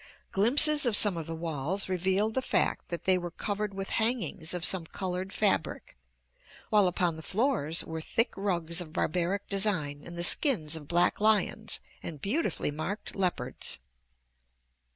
Glimpses of some of the walls revealed the fact that they were covered with hangings of some colored fabric, while upon the floors were thick rugs of barbaric design and the skins of black lions and beautifully marked leopards.